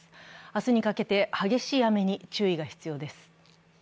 明日にかけて激しい雨に注意が必要です。